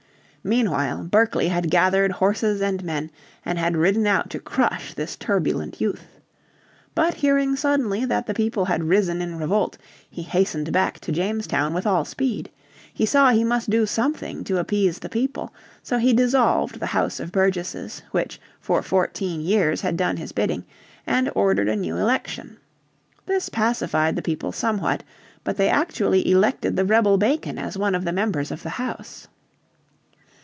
Meanwhile Berkeley had gathered horses and men and had ridden out to crush this turbulent youth. But hearing suddenly that the people had risen in revolt, he hastened back to Jamestown with all speed. He saw he must do something to appease the people. So he dissolved the House of Burgesses which for fourteen years had done his bidding, and ordered a new election. This pacified the people somewhat. But they actually elected the rebel Bacon as one of the members of the House.